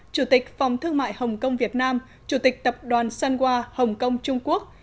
chủ tịch phòng thương mại hồng kông việt nam chủ tịch tập đoàn sunwa hồng kông trung quốc